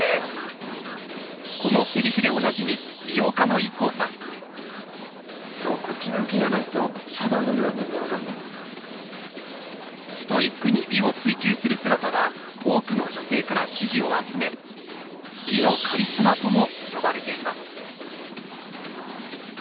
このセリフでおなじみストイックに美を追求する姿は多くの女性から支持を集め「美のカリスマ」とも呼ばれています。